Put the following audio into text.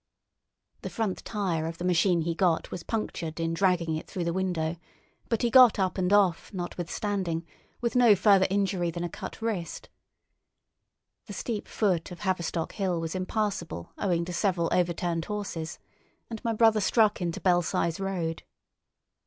The front tire of the machine he got was punctured in dragging it through the window, but he got up and off, notwithstanding, with no further injury than a cut wrist. The steep foot of Haverstock Hill was impassable owing to several overturned horses, and my brother struck into Belsize Road.